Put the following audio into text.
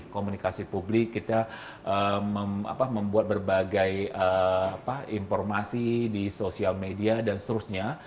komunikasi publik kita membuat berbagai informasi di sosial media dan seterusnya